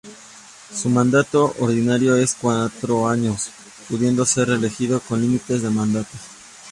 Su mandato ordinario es de cuatro años, pudiendo ser reelegido sin límite de mandatos.